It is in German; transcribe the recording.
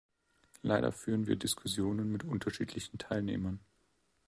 Leider führen wir Diskussionen mit unterschiedlichen Teilnehmern.